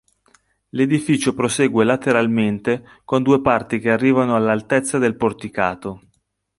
L'edificio prosegue lateralmente con due parti che arrivano all'altezza del porticato.